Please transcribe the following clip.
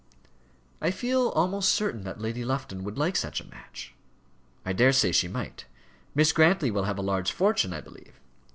I feel almost certain that Lady Lufton would like such a match." "I daresay she might. Miss Grantly will have a large fortune, I believe."